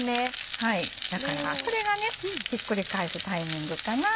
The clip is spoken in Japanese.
だからそれがひっくり返すタイミングかな。